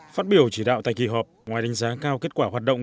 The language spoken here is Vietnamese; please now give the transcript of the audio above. phát biểu chỉ đạo tại kỳ họp ngoài đánh giá cao kết quả hoạt động